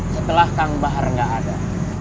setelah kang bahar nggak ada